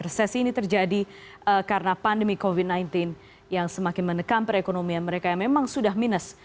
resesi ini terjadi karena pandemi covid sembilan belas yang semakin menekam perekonomian mereka yang memang sudah minus